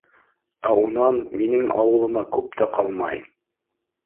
Ә унан минең ауылыма күп тә ҡалмай.